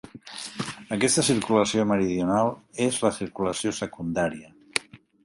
Aquesta circulació meridional és la circulació secundària.